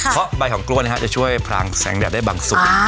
เพราะใบของกล้วยจะช่วยพรางแสงแดดได้บางส่วน